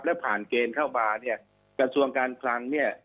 แล้วผ่านเกณฑ์เข้ามาเนี่ยกระทรวงการคลังเนี่ย